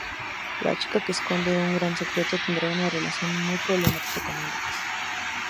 La chica, que esconde un gran secreto, tendrá una relación muy problemática con Alex.